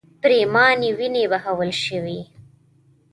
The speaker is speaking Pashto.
پرېمانې وینې بهول شوې.